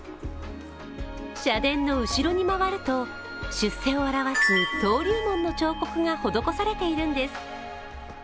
社殿の後ろに回ると、出世を表す登竜門の彫刻が施されているんです。